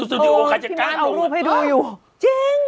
สตูดิโอขาชการรูปพี่มันเอารูปให้ดูอยู่โอ้ยจริง